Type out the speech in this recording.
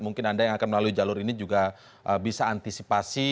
mungkin anda yang akan melalui jalur ini juga bisa antisipasi